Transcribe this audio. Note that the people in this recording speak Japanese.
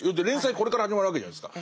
これから始まるわけじゃないですか。